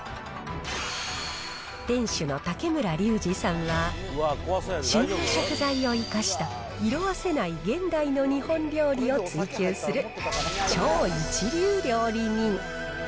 店主の竹村竜二さんは、旬の食材を生かした色あせない現代の日本料理を追求する超一流料理人。